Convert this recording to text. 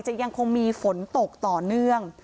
ยังคงมีฝนตกต่อเนื่อง